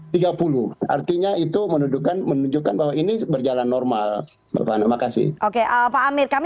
tahun itu menuduhkan menunjukkan bahwa ini berjalan normal bapak makasih oke apa amir kami